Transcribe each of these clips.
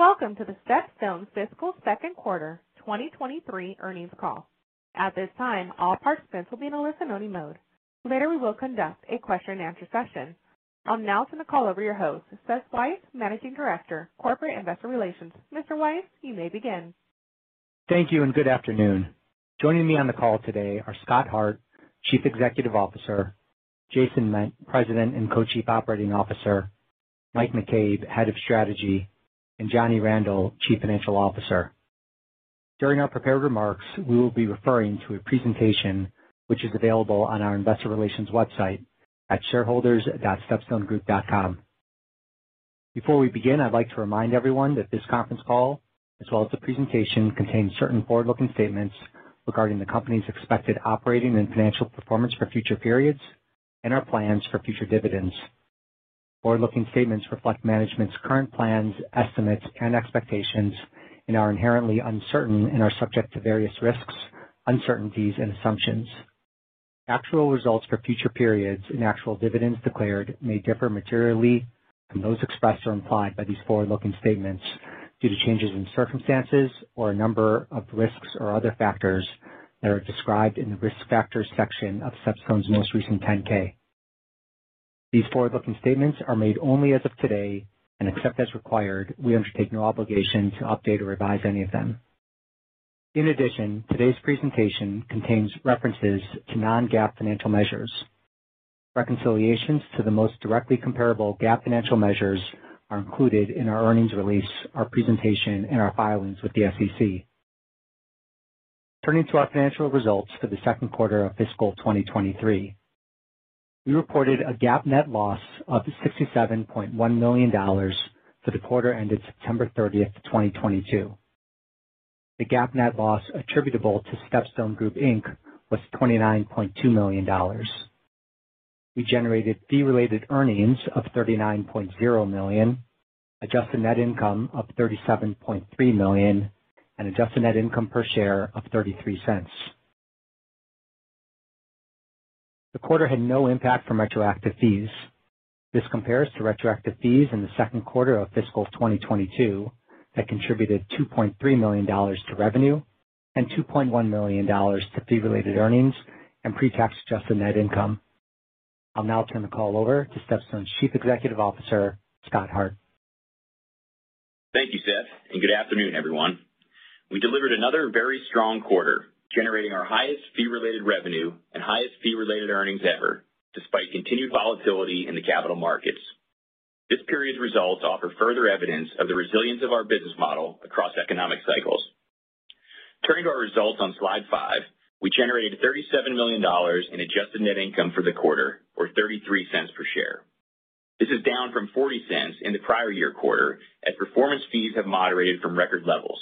Welcome to the StepStone Fiscal Second Quarter 2023 Earnings Call. At this time, all participants will be in a listen-only mode. Later, we will conduct a Question-and-Answer session. I'll now turn the call over to your host, Seth Weiss, Managing Director, Corporate and Investor Relations. Mr. Weiss, you may begin. Thank you, and good afternoon. Joining me on the call today are Scott Hart, Chief Executive Officer, Jason Ment, President and Co-Chief Operating Officer, Mike McCabe, Head of Strategy, and Johnny Randel, Chief Financial Officer. During our prepared remarks, we will be referring to a presentation which is available on our investor relations website at shareholders.stepstonegroup.com. Before we begin, I'd like to remind everyone that this conference call, as well as the presentation, contains certain forward-looking statements regarding the company's expected operating and financial performance for future periods and our plans for future dividends. Forward-looking statements reflect management's current plans, estimates, and expectations and are inherently uncertain and are subject to various risks, uncertainties, and assumptions. Actual results for future periods and actual dividends declared may differ materially from those expressed or implied by these forward-looking statements due to changes in circumstances or a number of risks or other factors that are described in the Risk Factors section of StepStone's most recent 10-K. These forward-looking statements are made only as of today, and except as required, we undertake no obligation to update or revise any of them. In addition, today's presentation contains references to non-GAAP financial measures. Reconciliations to the most directly comparable GAAP financial measures are included in our earnings release, our presentation, and our filings with the SEC. Turning to our financial results for the second quarter of fiscal 2023, we reported a GAAP net loss of $67.1 million for the quarter ended September 30, 2022. The GAAP net loss attributable to StepStone Group Inc. was $29.2 million. We generated fee-related earnings of $39.0 million, adjusted net income of $37.3 million, and adjusted net income per share of $0.33. The quarter had no impact from retroactive fees. This compares to retroactive fees in the second quarter of fiscal 2022 that contributed $2.3 million to revenue and $2.1 million to fee-related earnings and pre-tax adjusted net income. I'll now turn the call over to StepStone's Chief Executive Officer, Scott Hart. Thank you, Seth, and good afternoon, everyone. We delivered another very strong quarter, generating our highest fee-related revenue and highest fee-related earnings ever, despite continued volatility in the capital markets. This period's results offer further evidence of the resilience of our business model across economic cycles. Turning to our results on slide 5, we generated $37 million in adjusted net income for the quarter, or 33 cents per share. This is down from 40 cents in the prior year quarter, as performance fees have moderated from record levels.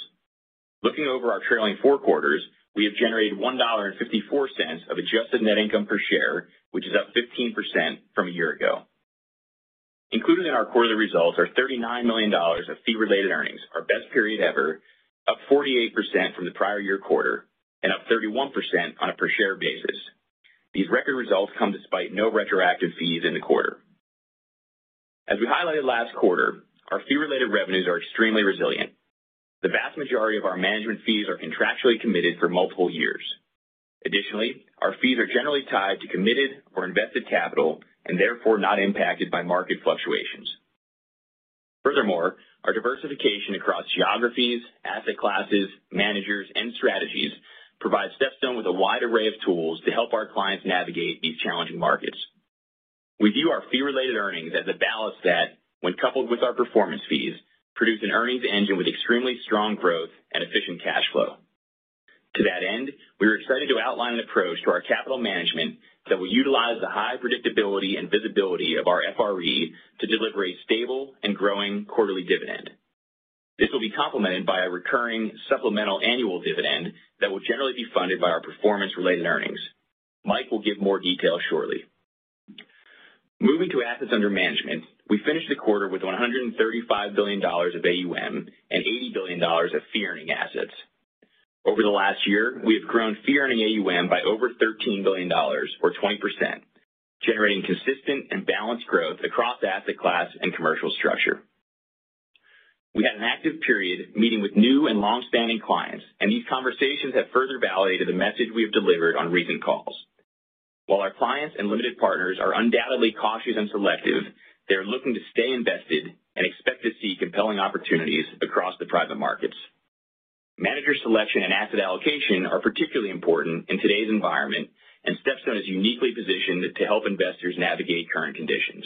Looking over our trailing four quarters, we have generated $1.54 of adjusted net income per share, which is up 15% from a year ago. Included in our quarterly results are $39 million of fee-related earnings, our best period ever, up 48% from the prior year quarter and up 31% on a per share basis. These record results come despite no retroactive fees in the quarter. As we highlighted last quarter, our fee-related revenues are extremely resilient. The vast majority of our management fees are contractually committed for multiple years. Additionally, our fees are generally tied to committed or invested capital and therefore not impacted by market fluctuations. Furthermore, our diversification across geographies, asset classes, managers, and strategies provides StepStone with a wide array of tools to help our clients navigate these challenging markets. We view our fee-related earnings as a ballast that, when coupled with our performance fees, produce an earnings engine with extremely strong growth and efficient cash flow. To that end, we are excited to outline an approach to our capital management that will utilize the high predictability and visibility of our FRE to deliver a stable and growing quarterly dividend. This will be complemented by a recurring supplemental annual dividend that will generally be funded by our Performance-Related Earnings. Mike will give more detail shortly. Moving to assets under management, we finished the quarter with $135 billion of AUM and $80 billion of fee-earning assets. Over the last year, we have grown fee-earning AUM by over $13 billion or 20%, generating consistent and balanced growth across asset class and commercial structure. We had an active period meeting with new and long-standing clients, and these conversations have further validated the message we have delivered on recent calls. While our clients and limited partners are undoubtedly cautious and selective, they are looking to stay invested and expect to see compelling opportunities across the private markets. Manager selection and asset allocation are particularly important in today's environment, and StepStone is uniquely positioned to help investors navigate current conditions.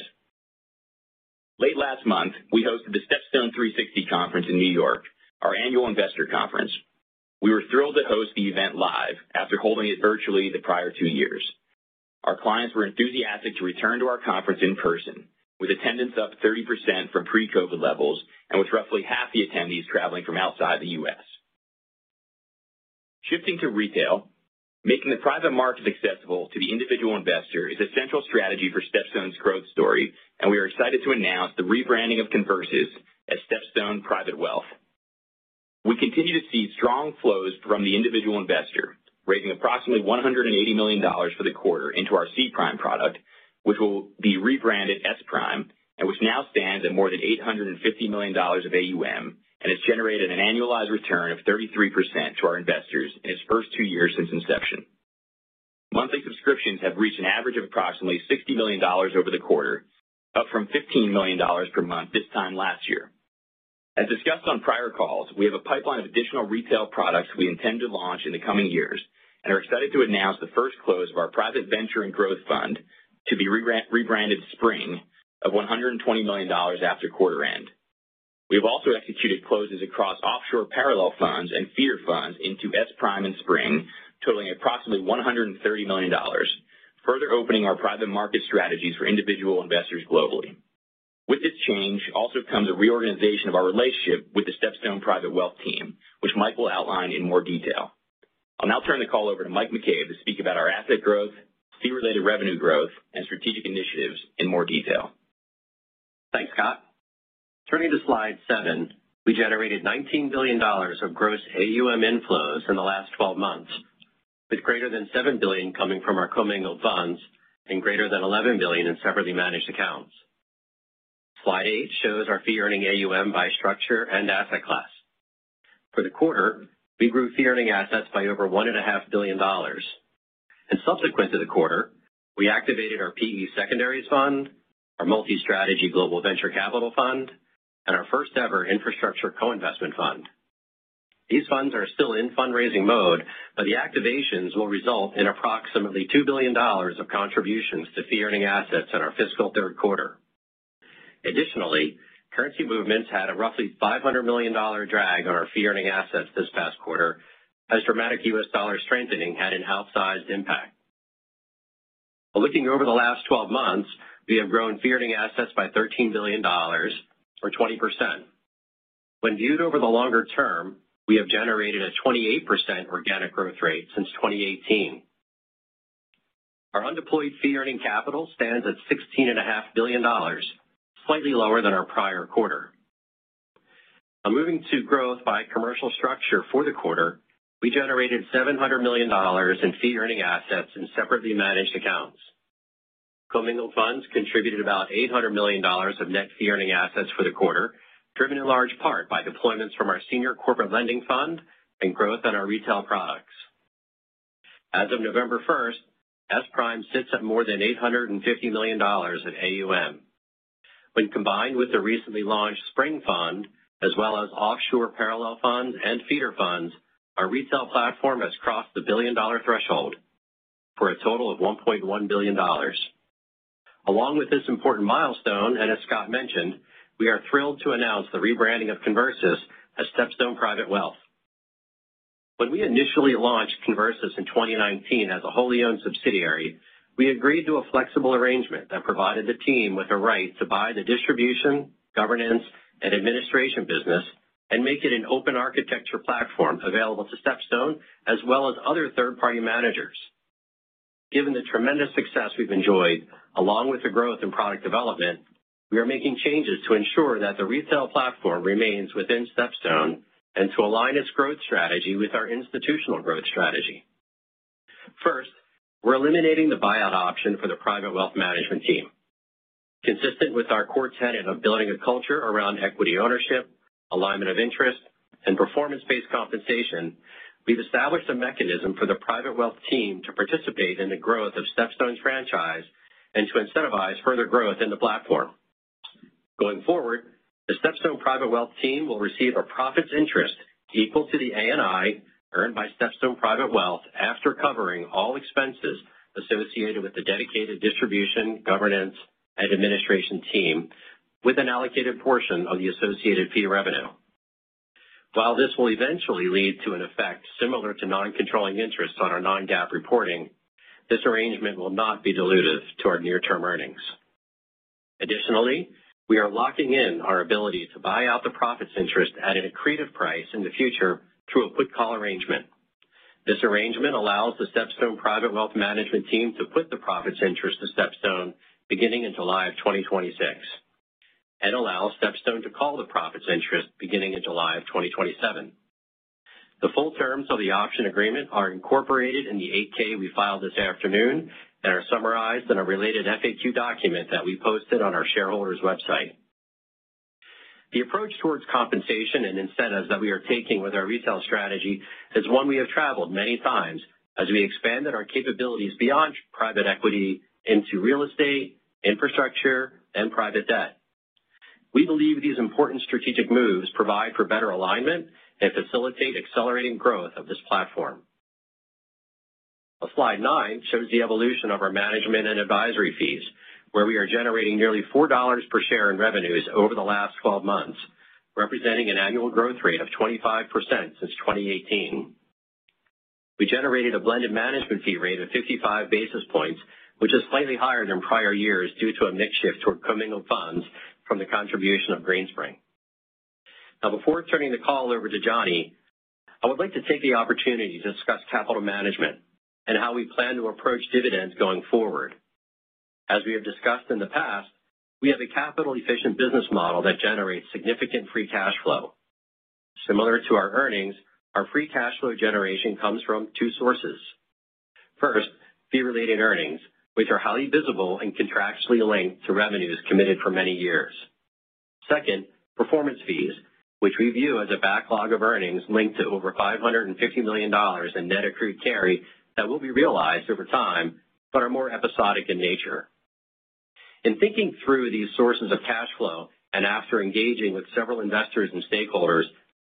Late last month, we hosted the StepStone 360 Conference in New York, our annual investor conference. We were thrilled to host the event live after holding it virtually the prior two years. Our clients were enthusiastic to return to our conference in person, with attendance up 30% from pre-COVID levels and with roughly half the attendees traveling from outside the U.S. Shifting to retail, making the private markets accessible to the individual investor is a central strategy for StepStone's growth story, and we are excited to announce the rebranding of Conversus as StepStone Private Wealth. We continue to see strong flows from the individual investor, raising approximately $180 million for the quarter into our C Prime product, which will be rebranded S Prime, and which now stands at more than $850 million of AUM and has generated an annualized return of 33% to our investors in its first two years since inception. Monthly subscriptions have reached an average of approximately $60 million over the quarter, up from $15 million per month this time last year. As discussed on prior calls, we have a pipeline of additional retail products we intend to launch in the coming years and are excited to announce the first close of our private venture and growth fund to be rebranded SPRING of $120 million after quarter end. We have also executed closes across offshore parallel funds and feeder funds into S Prime and SPRING, totaling approximately $130 million, further opening our private market strategies for individual investors globally. With this change also comes a reorganization of our relationship with the StepStone Private Wealth team, which Mike will outline in more detail. I'll now turn the call over to Mike McCabe to speak about our asset growth, fee-related revenue growth, and strategic initiatives in more detail. Thanks, Scott. Turning to Slide 7. We generated $19 billion of gross AUM inflows in the last 12 months, with greater than $7 billion coming from our commingled funds and greater than $11 billion in separately managed accounts. Slide 8 shows our fee-earning AUM by structure and asset class. For the quarter, we grew fee-earning assets by over $1.5 billion. Subsequent to the quarter, we activated our PE secondaries fund, our Multi-Strategy Global Venture Capital Fund, and our first ever Infrastructure Co-Investment Fund. These funds are still in fundraising mode, but the activations will result in approximately $2 billion of contributions to fee-earning assets in our fiscal third quarter. Additionally, currency movements had a roughly $500 million drag on our fee-earning assets this past quarter as dramatic U.S. dollar strengthening had an outsized impact. Looking over the last 12 months, we have grown fee-earning assets by $13 billion or 20%. When viewed over the longer term, we have generated a 28% organic growth rate since 2018. Our undeployed fee-earning capital stands at $16.5 billion, slightly lower than our prior quarter. Moving to growth by commercial structure for the quarter, we generated $700 million in fee-earning assets in separately managed accounts. Commingled funds contributed about $800 million of net fee-earning assets for the quarter, driven in large part by deployments from our Senior Corporate Lending Fund and growth on our retail products. As of November 1, S Prime sits at more than $850 million in AUM. When combined with the recently launched SPRING Fund, as well as offshore parallel funds and feeder funds, our retail platform has crossed the billion-dollar threshold for a total of $1.1 billion. Along with this important milestone, and as Scott mentioned, we are thrilled to announce the rebranding of Conversus as StepStone Private Wealth. When we initially launched Conversus in 2019 as a wholly owned subsidiary, we agreed to a flexible arrangement that provided the team with the right to buy the distribution, governance, and administration business and make it an open architecture platform available to StepStone as well as other third-party managers. Given the tremendous success we've enjoyed, along with the growth in product development, we are making changes to ensure that the retail platform remains within StepStone and to align its growth strategy with our institutional growth strategy. First, we're eliminating the buyout option for the private wealth management team. Consistent with our core tenet of building a culture around equity ownership, alignment of interest, and performance-based compensation, we've established a mechanism for the private wealth team to participate in the growth of StepStone's franchise and to incentivize further growth in the platform. Going forward, the StepStone Private Wealth team will receive a profits interest equal to the ANI earned by StepStone Private Wealth after covering all expenses associated with the dedicated distribution, governance, and administration team with an allocated portion of the associated fee revenue. While this will eventually lead to an effect similar to non-controlling interests on our non-GAAP reporting, this arrangement will not be dilutive to our near-term earnings. Additionally, we are locking in our ability to buy out the profits interest at an accretive price in the future through a put call arrangement. This arrangement allows the StepStone Private Wealth Management team to put the profits interest to StepStone beginning in July of 2026, and allows StepStone to call the profits interest beginning in July of 2027. The full terms of the option agreement are incorporated in the 8-K we filed this afternoon and are summarized in a related FAQ document that we posted on our shareholders' website. The approach towards compensation and incentives that we are taking with our retail strategy is one we have traveled many times as we expanded our capabilities beyond private equity into real estate, infrastructure, and private debt. We believe these important strategic moves provide for better alignment and facilitate accelerating growth of this platform. Slide 9 shows the evolution of our management and advisory fees, where we are generating nearly $4 per share in revenues over the last 12 months, representing an annual growth rate of 25% since 2018. We generated a blended management fee rate of 55 basis points, which is slightly higher than prior years due to a mix shift toward commingled funds from the contribution of Greenspring. Now, before turning the call over to Johnny Randel, I would like to take the opportunity to discuss capital management and how we plan to approach dividends going forward. As we have discussed in the past, we have a capital efficient business model that generates significant free cash flow. Similar to our earnings, our free cash flow generation comes from two sources. First, fee-related earnings, which are highly visible and contractually linked to revenues committed for many years. Second, performance fees, which we view as a backlog of earnings linked to over $550 million in net accrued carry that will be realized over time, but are more episodic in nature. In thinking through these sources of cash flow and after engaging with several investors and stakeholders,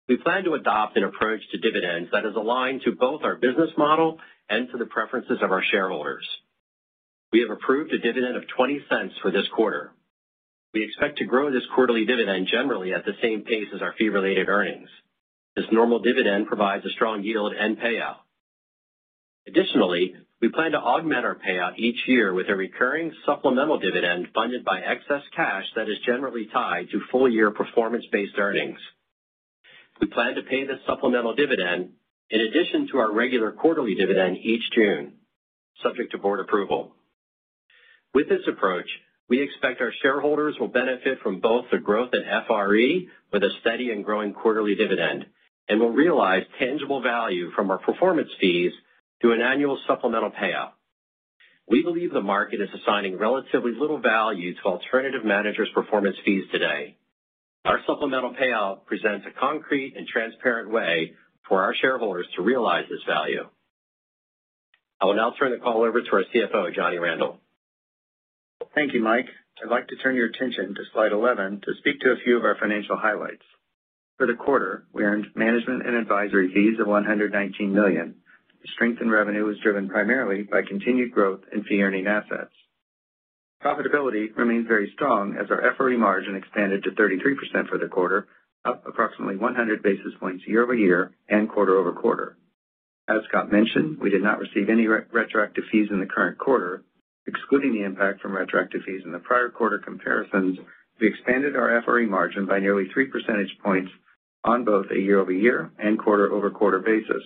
we plan to adopt an approach to dividends that is aligned to both our business model and to the preferences of our shareholders. We have approved a dividend of $0.20 for this quarter. We expect to grow this quarterly dividend generally at the same pace as our fee-related earnings. This normal dividend provides a strong yield and payout. Additionally, we plan to augment our payout each year with a recurring supplemental dividend funded by excess cash that is generally tied to full-year performance-based earnings. We plan to pay this supplemental dividend in addition to our regular quarterly dividend each June, subject to board approval. With this approach, we expect our shareholders will benefit from both the growth in FRE with a steady and growing quarterly dividend, and will realize tangible value from our performance fees through an annual supplemental payout. We believe the market is assigning relatively little value to alternative managers' performance fees today. Our supplemental payout presents a concrete and transparent way for our shareholders to realize this value. I will now turn the call over to our CFO, Johnny Randel. Thank you, Mike. I'd like to turn your attention to slide 11 to speak to a few of our financial highlights. For the quarter, we earned management and advisory fees of $119 million. The strength in revenue was driven primarily by continued growth in fee-earning assets. Profitability remained very strong as our FRE margin expanded to 33% for the quarter, up approximately 100 basis points year-over-year and quarter-over-quarter. As Scott mentioned, we did not receive any retroactive fees in the current quarter. Excluding the impact from retroactive fees in the prior quarter comparisons, we expanded our FRE margin by nearly 3 percentage points on both a year-over-year and quarter-over-quarter basis.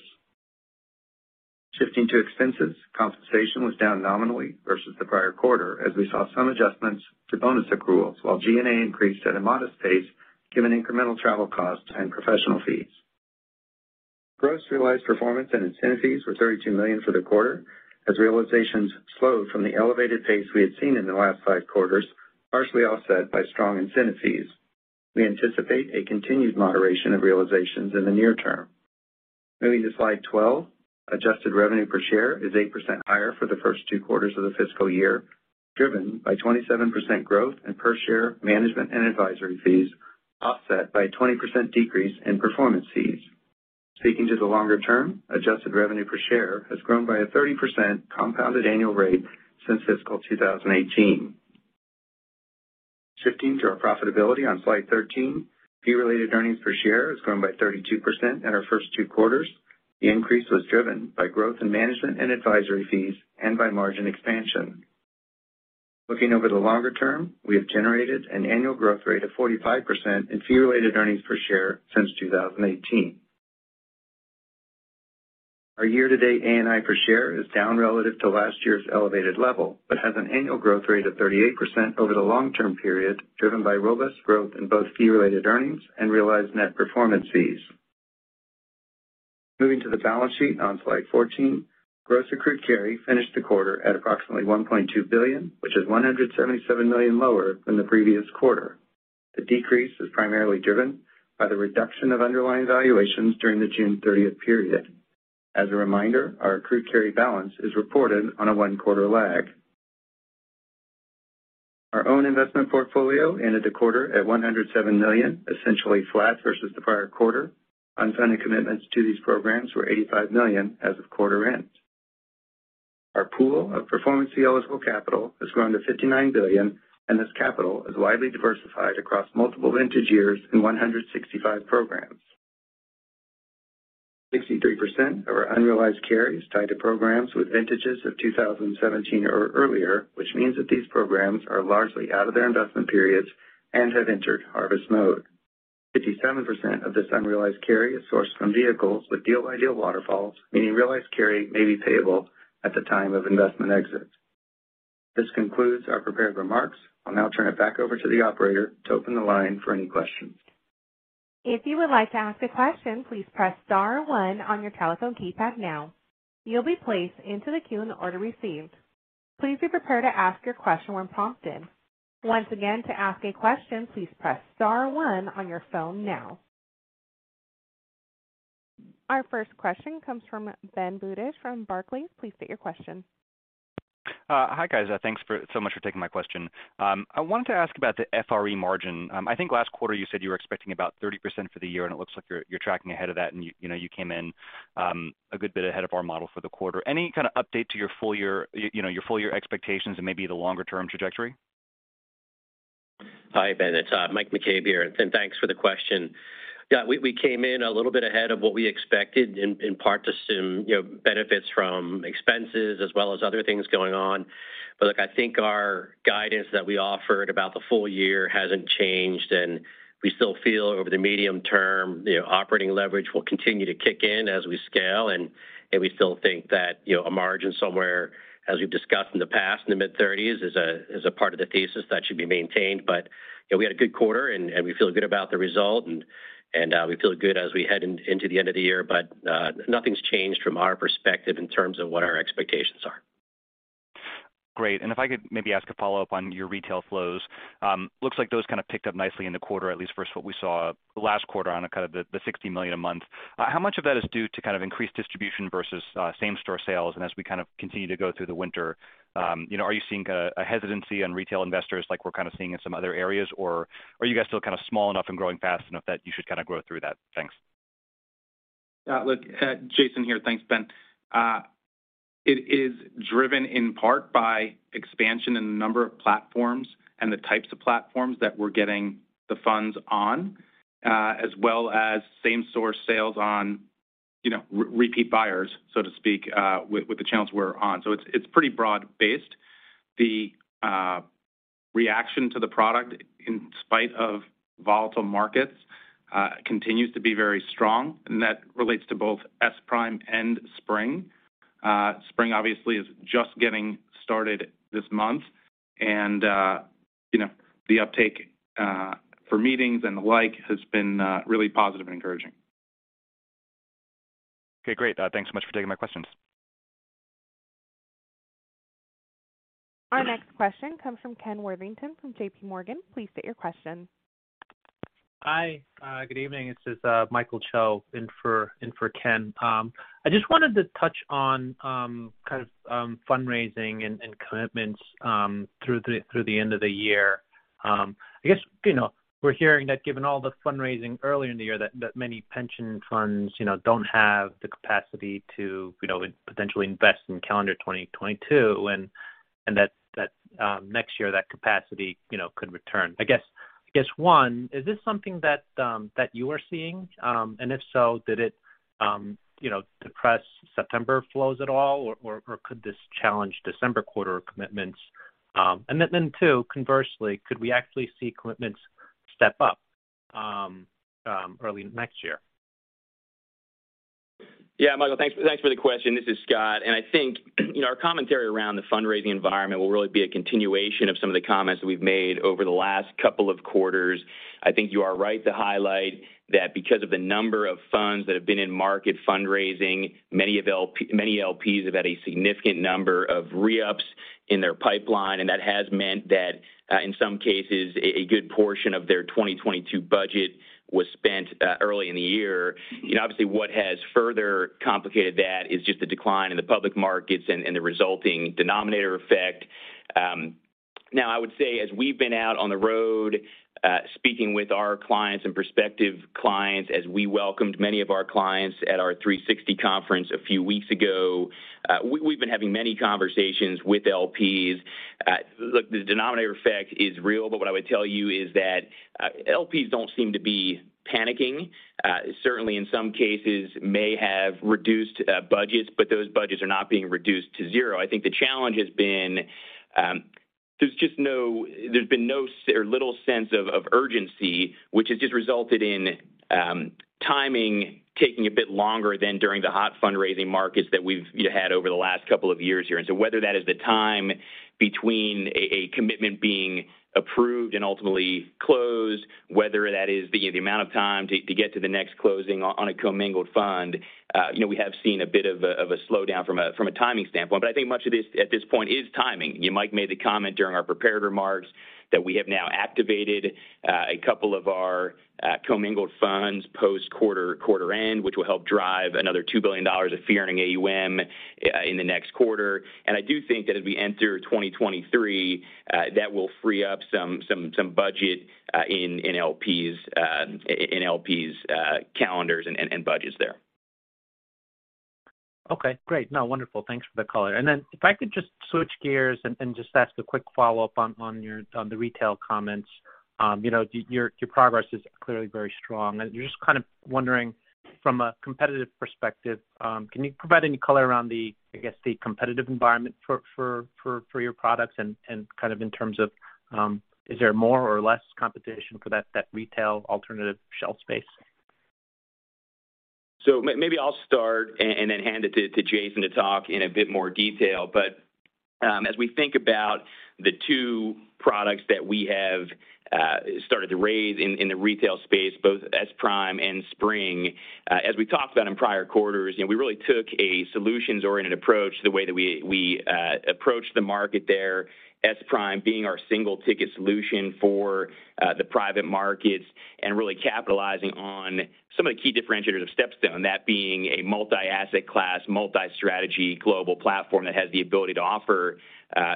Shifting to expenses, compensation was down nominally versus the prior quarter as we saw some adjustments to bonus accruals, while G&A increased at a modest pace given incremental travel costs and professional fees. Gross realized performance and incentive fees were $32 million for the quarter as realizations slowed from the elevated pace we had seen in the last 5 quarters, partially offset by strong incentive fees. We anticipate a continued moderation of realizations in the near term. Moving to slide 12, adjusted revenue per share is 8% higher for the first 2 quarters of the fiscal year, driven by 27% growth in per share management and advisory fees, offset by a 20% decrease in performance fees. Speaking to the longer term, adjusted revenue per share has grown by a 30% compounded annual rate since fiscal 2018. Shifting to our profitability on slide 13, fee-related earnings per share has grown by 32% in our first two quarters. The increase was driven by growth in management and advisory fees and by margin expansion. Looking over the longer term, we have generated an annual growth rate of 45% in fee-related earnings per share since 2018. Our year-to-date ANI per share is down relative to last year's elevated level, but has an annual growth rate of 38% over the long-term period, driven by robust growth in both fee-related earnings and realized net performance fees. Moving to the balance sheet on slide 14, gross accrued carry finished the quarter at approximately $1.2 billion, which is $177 million lower than the previous quarter. The decrease is primarily driven by the reduction of underlying valuations during the June thirtieth period. As a reminder, our accrued carry balance is reported on a one-quarter lag. Our own investment portfolio ended the quarter at $107 million, essentially flat versus the prior quarter. Unsigned commitments to these programs were $85 million as of quarter end. Our pool of performance fee eligible capital has grown to $59 billion, and this capital is widely diversified across multiple vintage years in 165 programs. 63% of our unrealized carry is tied to programs with vintages of 2017 or earlier, which means that these programs are largely out of their investment periods and have entered harvest mode. 57% of this unrealized carry is sourced from vehicles with deal-by-deal waterfalls, meaning realized carry may be payable at the time of investment exit. This concludes our prepared remarks. I'll now turn it back over to the operator to open the line for any questions. If you would like to ask a question, please press star one on your telephone keypad now. You'll be placed into the queue in the order received. Please be prepared to ask your question when prompted. Once again, to ask a question, please press star one on your phone now. Our first question comes from Benjamin Budish from Barclays. Please state your question. Hi, guys. Thanks so much for taking my question. I wanted to ask about the FRE margin. I think last quarter you said you were expecting about 30% for the year, and it looks like you're tracking ahead of that. You know, you came in a good bit ahead of our model for the quarter. Any kind of update to your full year, you know, your full year expectations and maybe the longer term trajectory? Hi, Ben. It's Mike McCabe here. Thanks for the question. Yeah, we came in a little bit ahead of what we expected in part to some, you know, benefits from expenses as well as other things going on. Look, I think our guidance that we offered about the full year hasn't changed, and we still feel over the medium term, you know, operating leverage will continue to kick in as we scale. We still think that, you know, a margin somewhere, as we've discussed in the past, in the mid-30s% is a part of the thesis that should be maintained. You know, we had a good quarter and we feel good about the result and we feel good as we head into the end of the year. Nothing's changed from our perspective in terms of what our expectations are. Great. If I could maybe ask a follow-up on your retail flows. Looks like those kind of picked up nicely in the quarter, at least versus what we saw last quarter on the $60 million a month. How much of that is due to kind of increased distribution versus same-store sales? As we kind of continue to go through the winter, you know, are you seeing a hesitancy on retail investors like we're kind of seeing in some other areas? Or are you guys still kind of small enough and growing fast enough that you should kind of grow through that? Thanks. Jason Ment here. Thanks, Ben Budish. It is driven in part by expansion in the number of platforms and the types of platforms that we're getting the funds on, as well as same-source sales on, you know, repeat buyers, so to speak, with the channels we're on. It's pretty broad-based. The reaction to the product, in spite of volatile markets, continues to be very strong, and that relates to both S-Prime and SPRING. SPRING obviously is just getting started this month. You know, the uptake for meetings and the like has been really positive and encouraging. Okay, great. Thanks so much for taking my questions. Our next question comes from Ken Worthington from JPMorgan. Please state your question. Hi, good evening. This is Michael Cho in for Ken Worthington. I just wanted to touch on kind of fundraising and commitments through the end of the year. I guess, you know, we're hearing that given all the fundraising earlier in the year, that many pension funds, you know, don't have the capacity to, you know, potentially invest in calendar 2022, and that next year that capacity, you know, could return. I guess one, is this something that you are seeing? And if so, did it, you know, depress September flows at all, or could this challenge December quarter commitments? And then two, conversely, could we actually see commitments step up early next year? Yeah, Michael, thanks for the question. This is Scott. I think, you know, our commentary around the fundraising environment will really be a continuation of some of the comments that we've made over the last couple of quarters. I think you are right to highlight that because of the number of funds that have been in market fundraising, many LPs have had a significant number of re-ups in their pipeline, and that has meant that, in some cases, a good portion of their 2022 budget was spent early in the year. You know, obviously, what has further complicated that is just the decline in the public markets and the resulting denominator effect. Now, I would say, as we've been out on the road, speaking with our clients and prospective clients, as we welcomed many of our clients at our StepStone 360 Conference a few weeks ago, we've been having many conversations with LPs. Look, the denominator effect is real, but what I would tell you is that LPs don't seem to be panicking. Certainly, in some cases may have reduced budgets, but those budgets are not being reduced to zero. I think the challenge has been, there's just no or little sense of urgency, which has just resulted in timing taking a bit longer than during the hot fundraising markets that we've, you know, had over the last couple of years here. Whether that is the time between a commitment being approved and ultimately closed, whether that is the amount of time to get to the next closing on a commingled fund, you know, we have seen a bit of a slowdown from a timing standpoint. I think much of this at this point is timing. You know, Mike made the comment during our prepared remarks that we have now activated a couple of our commingled funds post quarter end, which will help drive another $2 billion of fee-earning AUM in the next quarter. I do think that as we enter 2023, that will free up some budget in LPs' calendars and budgets there. Okay, great. No, wonderful. Thanks for the color. Then if I could just switch gears and just ask a quick follow-up on your retail comments. You know, your progress is clearly very strong. Just kind of wondering from a competitive perspective, can you provide any color around the, I guess, the competitive environment for your products and kind of in terms of, is there more or less competition for that retail alternative shelf space? Maybe I'll start and then hand it to Jason to talk in a bit more detail. As we think about the two products that we have started to raise in the retail space, both S Prime and SPRING, as we talked about in prior quarters, you know, we really took a solutions-oriented approach the way that we approached the market there, S Prime being our single-ticket solution for the private markets and really capitalizing on some of the key differentiators of StepStone, that being a multi-asset class, multi-strategy global platform that has the ability to offer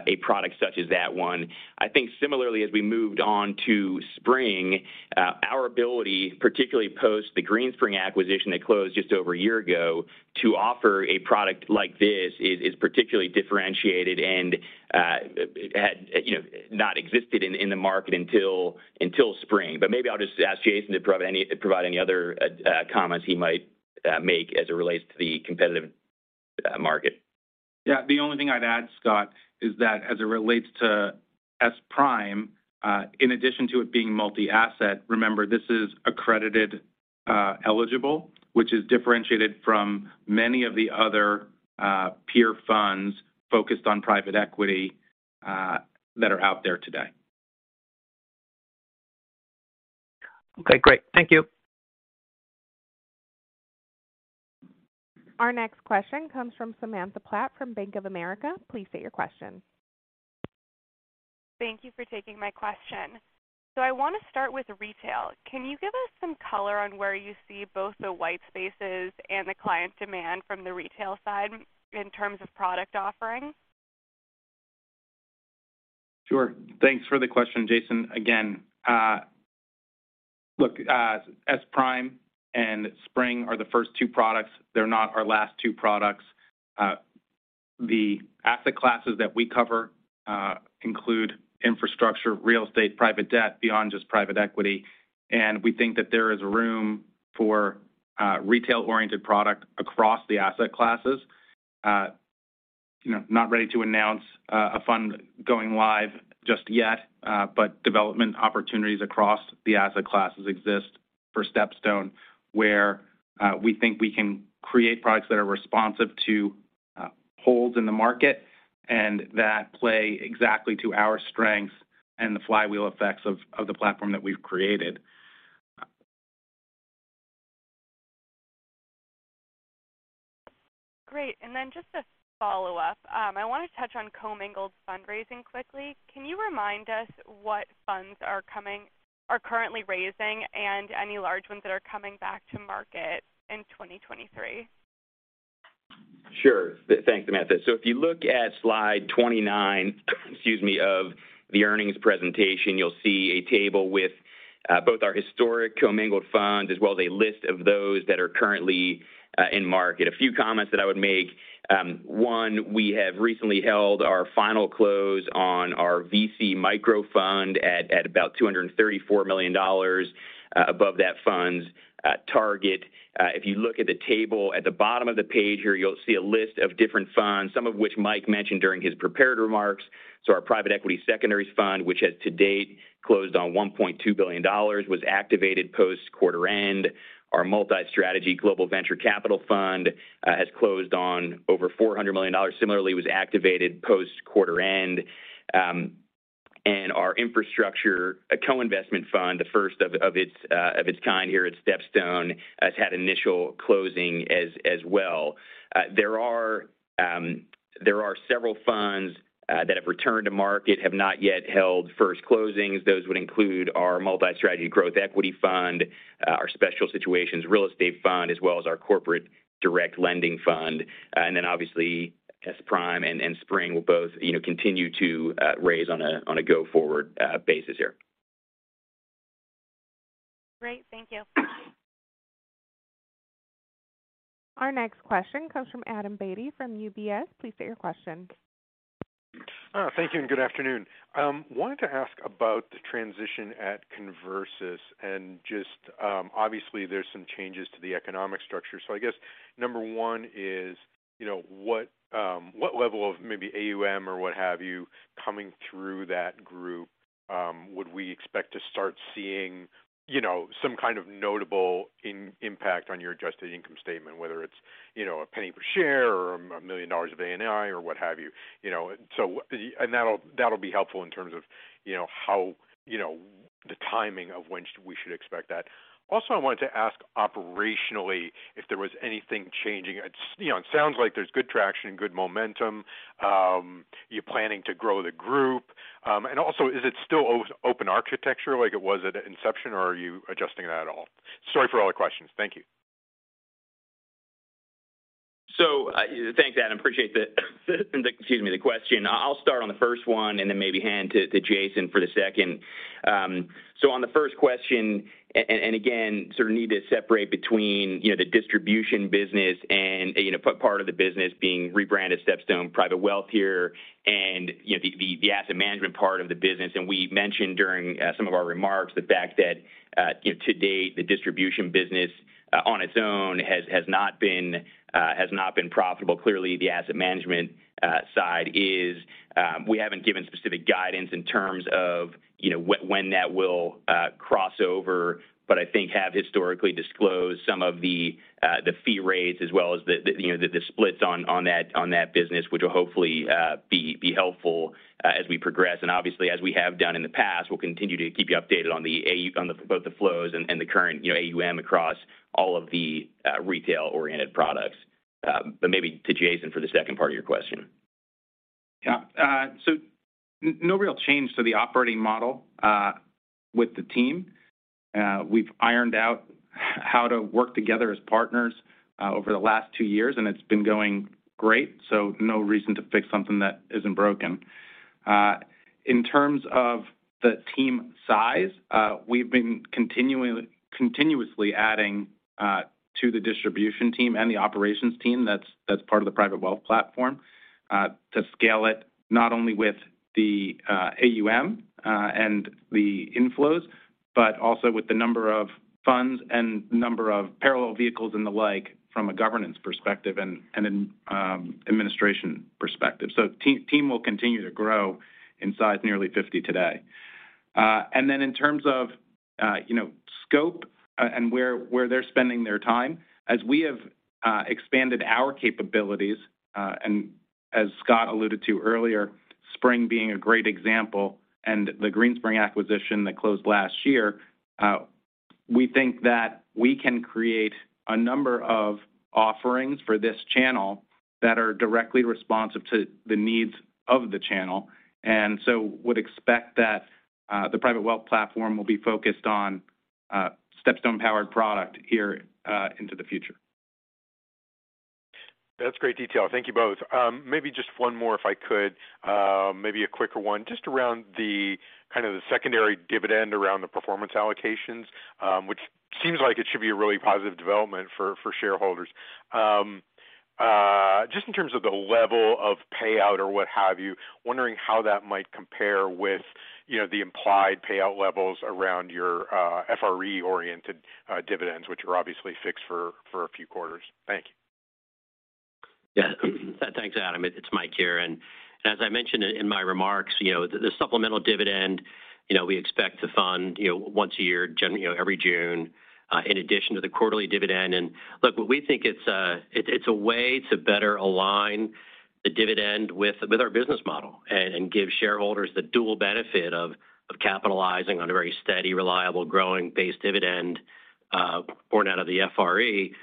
a product such as that one. I think similarly, as we moved on to SPRING, our ability, particularly post the Greenspring acquisition that closed just over a year ago, to offer a product like this is particularly differentiated and had, you know, not existed in the market until SPRING. Maybe I'll just ask Jason to provide any other comments he might make as it relates to the competition to that market. Yeah. The only thing I'd add, Scott, is that as it relates to S Prime, in addition to it being multi-asset, remember this is accredited eligible, which is differentiated from many of the other peer funds focused on private equity that are out there today. Okay, great. Thank you. Our next question comes from Samantha Platt from Bank of America. Please state your question. Thank you for taking my question. I wanna start with retail. Can you give us some color on where you see both the white spaces and the client demand from the retail side in terms of product offering? Sure. Thanks for the question, Jason. Again, look, S Prime and SPRING are the first two products. They're not our last two products. The asset classes that we cover include infrastructure, real estate, private debt beyond just private equity. We think that there is room for retail-oriented product across the asset classes. You know, not ready to announce a fund going live just yet, but development opportunities across the asset classes exist for StepStone, where we think we can create products that are responsive to holes in the market and that play exactly to our strengths and the flywheel effects of the platform that we've created. Great. Just to follow up, I wanna touch on commingled fundraising quickly. Can you remind us what funds are currently raising and any large ones that are coming back to market in 2023? Thanks, Samantha. If you look at slide 29, excuse me, of the earnings presentation, you'll see a table with both our historic commingled funds as well as a list of those that are currently in market. A few comments that I would make, one, we have recently held our final close on our VC micro fund at about $234 million above that fund's target. If you look at the table at the bottom of the page here, you'll see a list of different funds, some of which Mike mentioned during his prepared remarks. Our Private Equity Secondaries Fund, which has to date closed on $1.2 billion, was activated post quarter end. Our Multi-Strategy Global Venture Capital Fund has closed on over $400 million. Similarly, was activated post quarter end. Our Infrastructure Co-Investment Fund, the first of its kind here at StepStone, has had initial closing as well. There are several funds that have returned to market, have not yet held first closings. Those would include our Multi-Strategy Growth Equity Fund, our Special Situations Real Estate Fund, as well as our Corporate Direct Lending Fund. Obviously, S Prime and SPRING will both, you know, continue to raise on a go-forward basis here. Great. Thank you. Our next question comes from Adam Beatty from UBS. Please state your question. Thank you and good afternoon. Wanted to ask about the transition at Conversus. Just, obviously there's some changes to the economic structure. I guess number one is, you know, what level of maybe AUM or what have you coming through that group, would we expect to start seeing, you know, some kind of notable impact on your adjusted income statement, whether it's, you know, a penny per share or $1 million of ANI or what have you? You know, so that'll be helpful in terms of, you know, how, you know, the timing of when we should expect that. Also, I wanted to ask operationally if there was anything changing. It's, you know, it sounds like there's good traction, good momentum. You're planning to grow the group. Is it still open architecture like it was at inception, or are you adjusting that at all? Sorry for all the questions. Thank you. Thanks, Adam. Appreciate the, excuse me, the question. I'll start on the first one and then maybe hand to Jason for the second. On the first question, and again, sort of need to separate between, you know, the distribution business and, you know, part of the business being rebranded StepStone Private Wealth here and, you know, the asset management part of the business. We mentioned during some of our remarks the fact that, you know, to date, the distribution business on its own has not been profitable. Clearly, the asset management side is. We haven't given specific guidance in terms of, you know, when that will cross over, but I think we have historically disclosed some of the fee rates as well as the splits on that business, which will hopefully be helpful as we progress. Obviously, as we have done in the past, we'll continue to keep you updated on both the flows and the current, you know, AUM across all of the retail-oriented products. Maybe to Jason for the second part of your question. Yeah. So no real change to the operating model with the team. We've ironed out how to work together as partners over the last two years, and it's been going great, so no reason to fix something that isn't broken. In terms of the team size, we've been continuously adding to the distribution team and the operations team, that's part of the private wealth platform, to scale it not only with the AUM and the inflows, but also with the number of funds and number of parallel vehicles and the like from a governance perspective and an administration perspective. So team will continue to grow in size, nearly 50 today. Then in terms of, you know, scope, and where they're spending their time, as we have expanded our capabilities, and as Scott alluded to earlier, SPRING being a great example, and the Greenspring acquisition that closed last year, we think that we can create a number of offerings for this channel that are directly responsive to the needs of the channel. Would expect that the private wealth platform will be focused on StepStone-powered product here into the future. That's great detail. Thank you both. Maybe just one more, if I could. Maybe a quicker one. Just around the kind of the secondary dividend around the performance allocations, which seems like it should be a really positive development for shareholders. Just in terms of the level of payout or what have you, wondering how that might compare with, you know, the implied payout levels around your FRE-oriented dividends, which are obviously fixed for a few quarters. Thank you. Yeah. Thanks, Adam. It's Mike here. As I mentioned in my remarks, you know, the supplemental dividend, you know, we expect to fund, you know, once a year, you know, every June, in addition to the quarterly dividend. Look, we think it's a way to better align the dividend with our business model and give shareholders the dual benefit of capitalizing on a very steady, reliable, growing base dividend, born out of the FRE.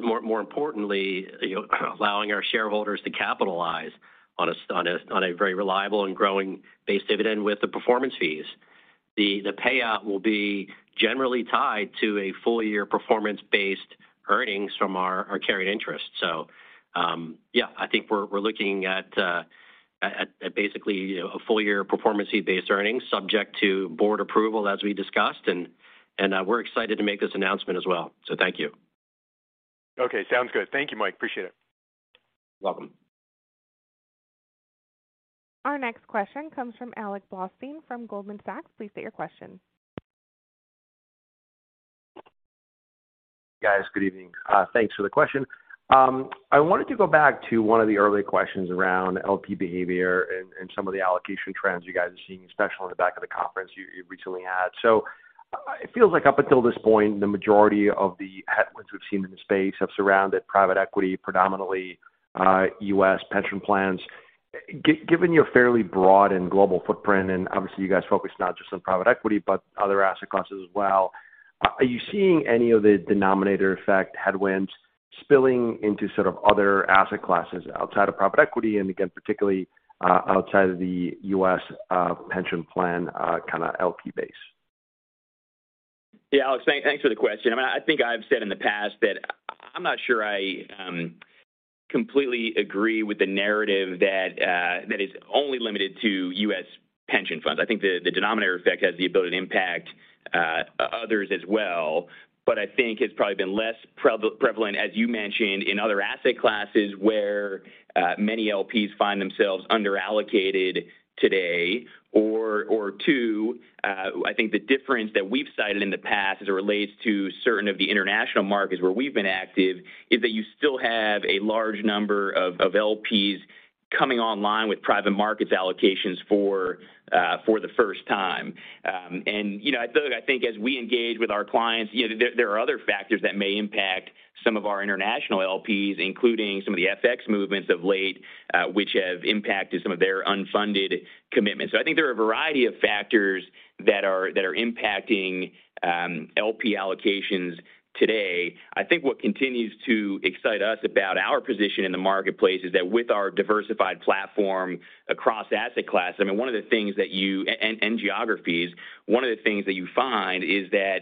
More importantly, you know, allowing our shareholders to capitalize on a very reliable and growing base dividend with the performance fees. The payout will be generally tied to a full-year performance-based earnings from our carried interest. I think we're looking at basically, you know, a full-year performance fee-based earnings subject to board approval as we discussed, and we're excited to make this announcement as well. Thank you. Okay, sounds good. Thank you, Mike. Appreciate it. You're welcome. Our next question comes from Alexander Blostein from Goldman Sachs. Please state your question. Guys, good evening. Thanks for the question. I wanted to go back to one of the earlier questions around LP behavior and some of the allocation trends you guys are seeing, especially on the back of the conference you recently had. It feels like up until this point, the majority of the headwinds we've seen in the space have surrounded private equity, predominantly, U.S. pension plans. Given your fairly broad and global footprint, and obviously you guys focus not just on private equity, but other asset classes as well, are you seeing any of the denominator effect headwinds spilling into sort of other asset classes outside of private equity and again, particularly, outside of the U.S., pension plan, kind of LP base? Yeah. Alex, thanks for the question. I mean, I think I've said in the past that I'm not sure I completely agree with the narrative that that is only limited to U.S. pension funds. I think the denominator effect has the ability to impact others as well. But I think it's probably been less prevalent, as you mentioned, in other asset classes where many LPs find themselves under-allocated today. Or too, I think the difference that we've cited in the past as it relates to certain of the international markets where we've been active is that you still have a large number of LPs coming online with private markets allocations for the first time. You know, I think as we engage with our clients, you know, there are other factors that may impact some of our international LPs, including some of the FX movements of late, which have impacted some of their unfunded commitments. I think there are a variety of factors that are impacting LP allocations today. I think what continues to excite us about our position in the marketplace is that with our diversified platform across asset class, I mean, one of the things that you find is that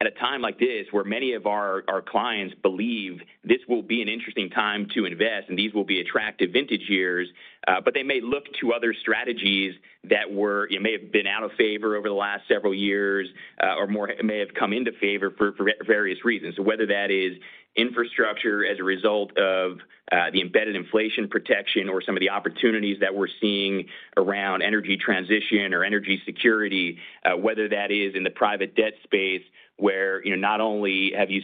at a time like this, where many of our clients believe this will be an interesting time to invest and these will be attractive vintage years, but they may look to other strategies that were. It may have been out of favor over the last several years, or more may have come into favor for various reasons. Whether that is infrastructure as a result of the embedded inflation protection or some of the opportunities that we're seeing around energy transition or energy security, whether that is in the private debt space where, you know, not only have you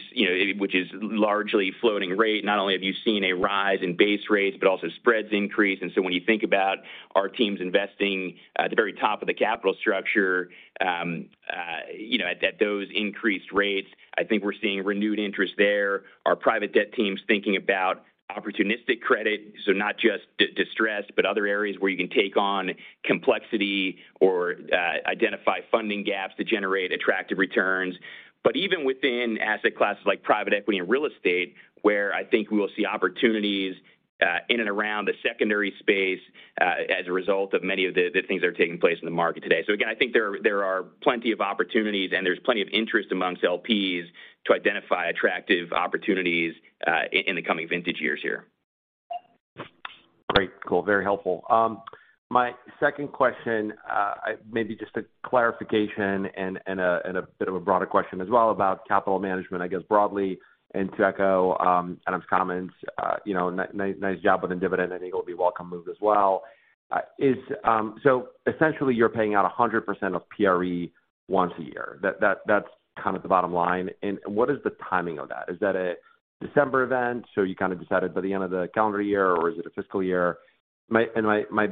seen a rise in base rates, but also spreads increase. When you think about our teams investing at the very top of the capital structure, you know, at those increased rates, I think we're seeing renewed interest there. Our private debt teams thinking about opportunistic credit, so not just distressed, but other areas where you can take on complexity or identify funding gaps to generate attractive returns. Even within asset classes like private equity and real estate, where I think we will see opportunities, in and around the secondary space, as a result of many of the things that are taking place in the market today. Again, I think there are plenty of opportunities and there's plenty of interest amongst LPs to identify attractive opportunities, in the coming vintage years here. Great. Cool. Very helpful. My second question, maybe just a clarification and a bit of a broader question as well about capital management, I guess, broadly, and to echo Adam's comments, you know, nice job with the dividend. I think it'll be a welcome move as well. Essentially you're paying out 100% of PRE once a year. That's kind of the bottom line. What is the timing of that? Is that a December event, so you kind of decide it by the end of the calendar year, or is it a fiscal year? My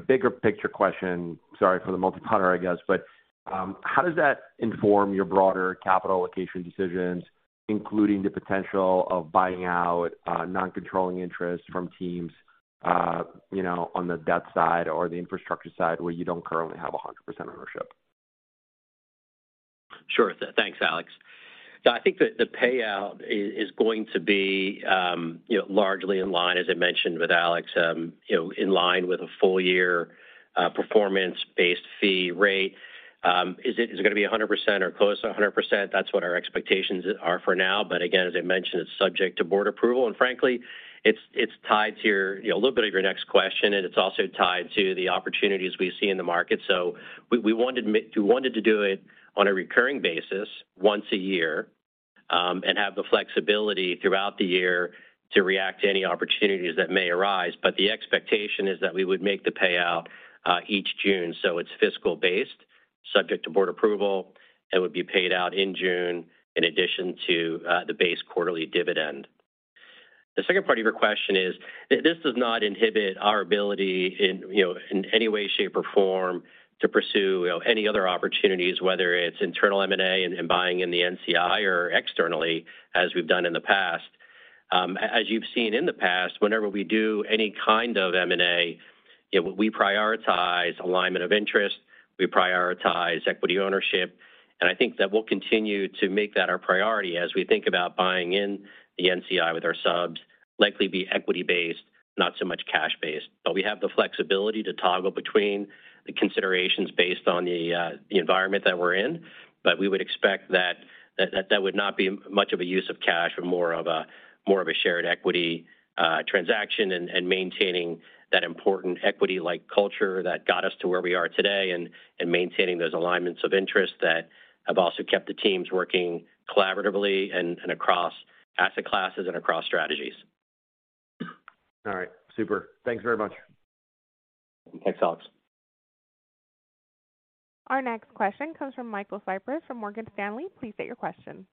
bigger picture question, sorry for the multi-parter, I guess, but how does that inform your broader capital allocation decisions, including the potential of buying out non-controlling interest from teams, you know, on the debt side or the infrastructure side where you don't currently have 100% ownership? Sure. Thanks, Alex. I think the payout is going to be largely in line, as I mentioned with Alex, in line with a full year performance-based fee rate. Is it gonna be 100% or close to 100%? That's what our expectations are for now. Again, as I mentioned, it's subject to board approval. Frankly, it's tied to your a little bit of your next question, and it's also tied to the opportunities we see in the market. We wanted to do it on a recurring basis once a year, and have the flexibility throughout the year to react to any opportunities that may arise. The expectation is that we would make the payout each June, so it's fiscal based, subject to board approval, and would be paid out in June in addition to the base quarterly dividend. The second part of your question is this does not inhibit our ability in, you know, in any way, shape, or form to pursue, you know, any other opportunities, whether it's internal M&A and buying in the NCI or externally, as we've done in the past. As you've seen in the past, whenever we do any kind of M&A, you know, we prioritize alignment of interest, we prioritize equity ownership, and I think that we'll continue to make that our priority as we think about buying in the NCI with our subs, likely be equity-based, not so much cash-based. We have the flexibility to toggle between the considerations based on the environment that we're in. We would expect that that would not be much of a use of cash, but more of a shared equity transaction and maintaining that important equity-like culture that got us to where we are today and maintaining those alignments of interest that have also kept the teams working collaboratively and across asset classes and across strategies. All right. Super. Thanks very much. Thanks, Alex. Our next question comes from Michael Cyprys from Morgan Stanley. Please state your question.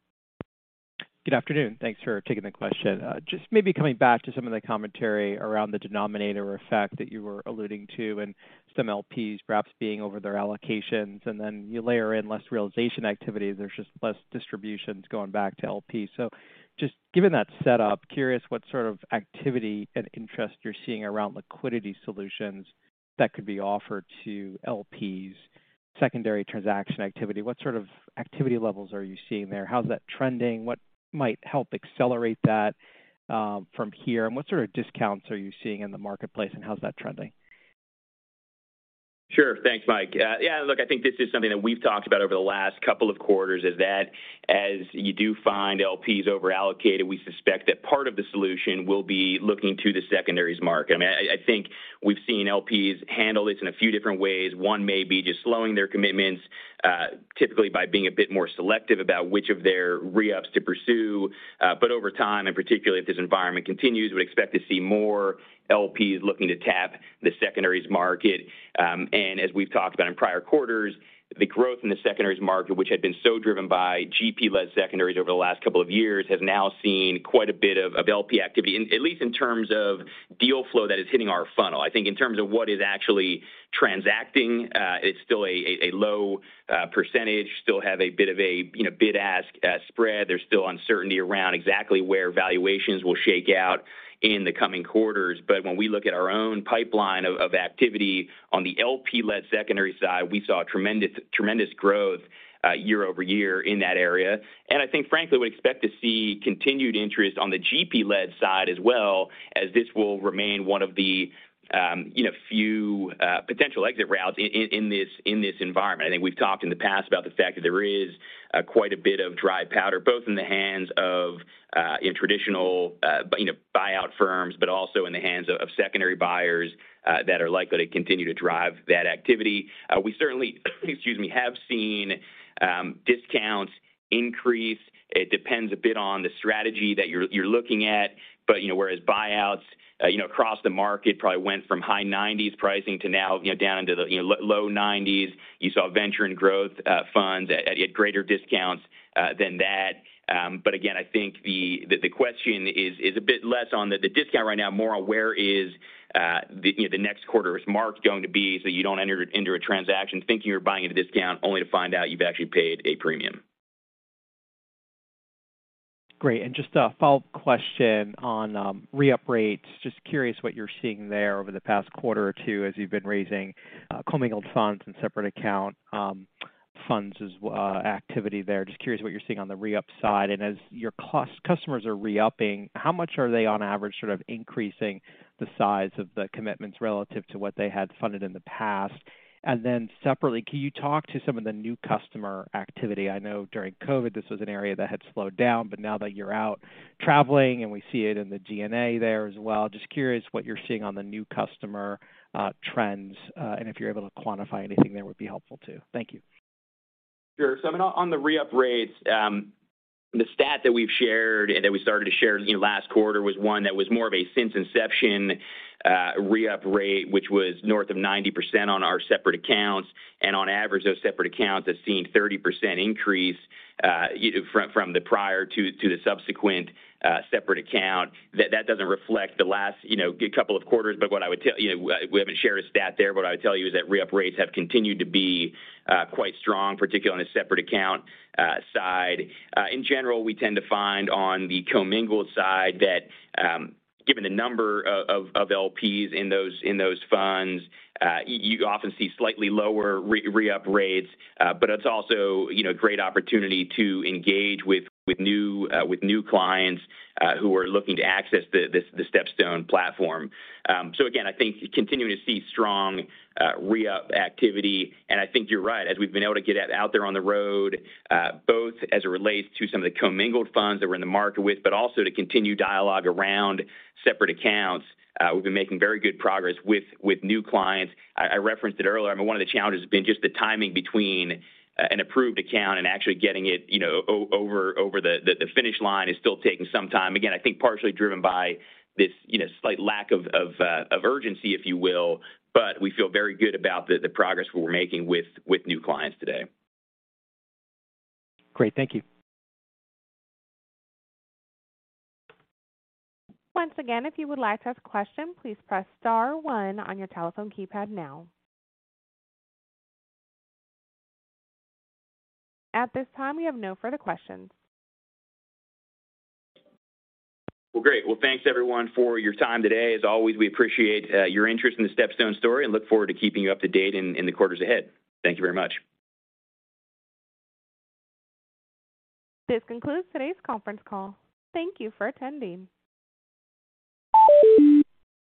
Good afternoon. Thanks for taking the question. Just maybe coming back to some of the commentary around the denominator effect that you were alluding to and some LPs perhaps being over their allocations, and then you layer in less realization activity, there's just less distributions going back to LPs. So just given that setup, curious what sort of activity and interest you're seeing around liquidity solutions that could be offered to LPs, secondary transaction activity. What sort of activity levels are you seeing there? How's that trending? What might help accelerate that, from here? What sort of discounts are you seeing in the marketplace, and how's that trending? Sure. Thanks, Mike. Yeah, look, I think this is something that we've talked about over the last couple of quarters, is that as you do find LPs over-allocated, we suspect that part of the solution will be looking to the secondaries market. I mean, I think we've seen LPs handle this in a few different ways. One may be just slowing their commitments, typically by being a bit more selective about which of their re-ups to pursue. But over time, and particularly if this environment continues, we expect to see more LPs looking to tap the secondaries market. As we've talked about in prior quarters, the growth in the secondaries market, which had been so driven by GP-led secondaries over the last couple of years, has now seen quite a bit of LP activity, at least in terms of deal flow that is hitting our funnel. I think in terms of what is actually transacting, it's still a low percentage. We still have a bit of a, you know, bid-ask spread. There's still uncertainty around exactly where valuations will shake out in the coming quarters. When we look at our own pipeline of activity on the LP-led secondary side, we saw tremendous growth year-over-year in that area. I think frankly, we expect to see continued interest on the GP-led side as well as this will remain one of the, you know, few potential exit routes in this environment. I think we've talked in the past about the fact that there is quite a bit of dry powder, both in the hands of in traditional, you know, buyout firms, but also in the hands of secondary buyers that are likely to continue to drive that activity. We certainly, excuse me, have seen discounts increase. It depends a bit on the strategy that you're looking at. But, you know, whereas buyouts, you know, across the market probably went from high nineties pricing to now, you know, down into the low nineties. You saw venture and growth funds at greater discounts than that. Again, I think the question is a bit less on the discount right now, more on where is the you know the next quarter's mark going to be so you don't enter a transaction thinking you're buying at a discount only to find out you've actually paid a premium. Great. Just a follow-up question on re-up rates. Just curious what you're seeing there over the past quarter or two as you've been raising commingled funds and separate account funds' activity there. Just curious what you're seeing on the re-up side. As your customers are re-upping, how much are they on average sort of increasing the size of the commitments relative to what they had funded in the past? Then separately, can you talk to some of the new customer activity? I know during COVID, this was an area that had slowed down, but now that you're out traveling and we see it in the G&A there as well, just curious what you're seeing on the new customer trends, and if you're able to quantify anything that would be helpful too. Thank you. Sure. I mean, on the re-up rates, the stat that we've shared that we started to share, you know, last quarter was one that was more of a since inception re-up rate, which was north of 90% on our separate accounts. On average, those separate accounts have seen 30% increase from the prior to the subsequent separate account. That doesn't reflect the last, you know, couple of quarters. What I would tell you is that re-up rates have continued to be quite strong, particularly on the separate account side. In general, we tend to find on the commingled side that, given the number of LPs in those funds, you often see slightly lower re-up rates. It's also, you know, a great opportunity to engage with new clients who are looking to access the StepStone platform. Again, I think continuing to see strong re-up activity. I think you're right. As we've been able to get out there on the road, both as it relates to some of the commingled funds that we're in the market with, but also to continue dialogue around separate accounts, we've been making very good progress with new clients. I referenced it earlier, I mean, one of the challenges has been just the timing between an approved account and actually getting it, you know, over the finish line is still taking some time. Again, I think partially driven by this, you know, slight lack of urgency, if you will. We feel very good about the progress we're making with new clients today. Great. Thank you. Once again, if you would like to ask a question, please press star one on your telephone keypad now. At this time, we have no further questions. Well, great. Well, thanks everyone for your time today. As always, we appreciate your interest in the StepStone story and look forward to keeping you up to date in the quarters ahead. Thank you very much. This concludes today's conference call. Thank you for attending.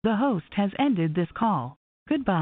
The host has ended this call. Goodbye.